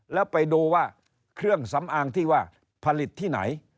แล้วไปดูว่าเครื่องสำอางที่ว่าผลิตที่ไหน